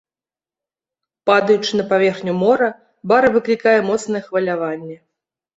Падаючы на паверхню мора, бара выклікае моцнае хваляванне.